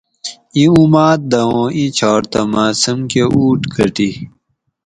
اِیں اُماۤد دہ اُوں اِیں چھاٹ تہ مہ سمکہ اُوٹ گٹی